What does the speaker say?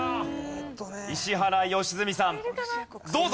石原良純さんどうぞ。